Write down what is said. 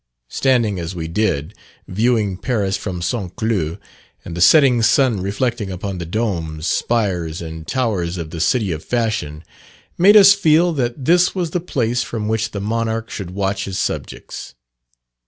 Standing, as we did, viewing Paris from St. Cloud, and the setting sun reflecting upon the domes, spires, and towers of the city of fashion, made us feel that this was the place from which the monarch should watch his subjects.